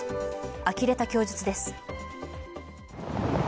あきれた供述です。